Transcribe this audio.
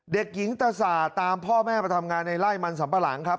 เด็กหญิงตะสาตามพ่อแม่มาทำงานในไล่มันสัมปะหลังครับ